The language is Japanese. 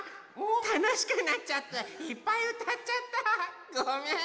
たのしくなっちゃっていっぱいうたっちゃったごめん！